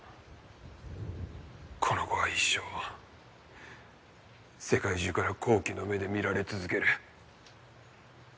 この子は一生世界中から好奇の目で見られ続ける。